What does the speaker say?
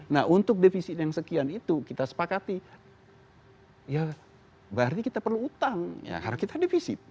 nah untuk defisit yang sekian itu kita sepakati ya berarti kita perlu utang karena kita defisit